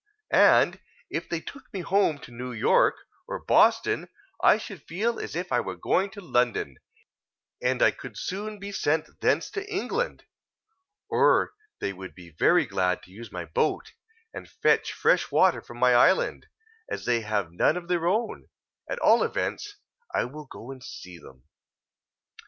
and if they took me home to New York, or Boston, I should feel as if I were going to London, and I could soon be sent thence to England; or they would be very glad to use my boat, and fetch fresh water from my island, as they have none of their own; at all events, I will go and see them."